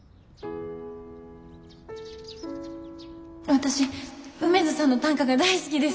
私梅津さんの短歌が大好きです。